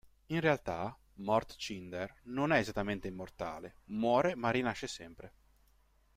In realtà, Mort Cinder non è esattamente immortale: muore ma rinasce sempre.